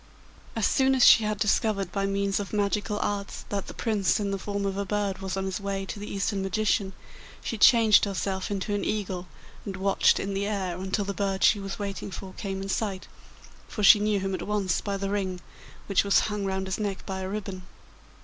As soon as she had discovered by means of magical arts that the Prince in the form of a bird was on his way to the Eastern magician, she changed herself into an eagle and watched in the air until the bird she was waiting for came in sight, for she knew him at once by the ring which was hung round his neck by a ribbon.